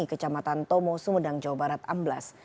kecamatan tomo sumedang jawa barat amblas